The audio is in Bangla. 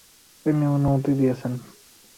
তিনি অনুমতি দিলেন।